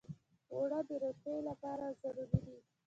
اوړه د روتۍ لپاره ضروري دي